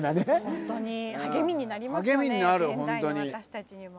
ホントに励みになりますよね